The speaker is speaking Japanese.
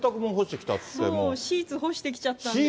シーツ干してきちゃったんで。